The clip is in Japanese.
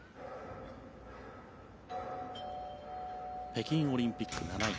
北京オリンピック７位